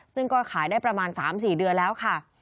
ซึ่งก็ขายได้ประมาณ๓๔เดือนแล้วค่ะ